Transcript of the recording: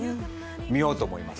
見ようと思います